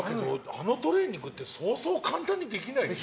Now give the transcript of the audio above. あのトレーニングってそうそう簡単にできないでしょ。